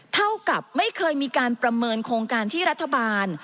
เท่ากับไม่เคยมีการประเมินโครงการที่รัฐบาล